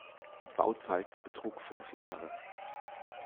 Die Bauzeit betrug fünf Jahre.